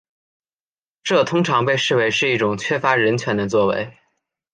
这通常被视为是一种缺乏人权的作为。